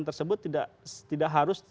tersebut tidak harus